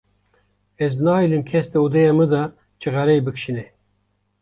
Ez nahêlim kes di odeya min de çixareyê bikişîne.